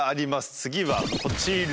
次はこちら。